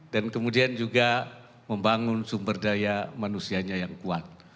dan kemudian juga membangun sumber daya manusianya yang kuat